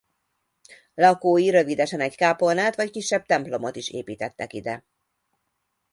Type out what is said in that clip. Lakói rövidesen egy kápolnát vagy kisebb templomot is építettek ide.